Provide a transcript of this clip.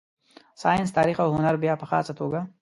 ساینس، تاریخ او هنر بیا په خاصه توګه.